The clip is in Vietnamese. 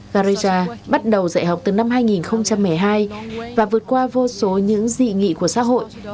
carea bắt đầu dạy học từ năm hai nghìn một mươi hai và vượt qua vô số những dị nghị của xã hội